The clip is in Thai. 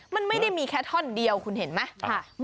มันไม่ได้มีแค่ท่อนเดียวคุณเห็นไหม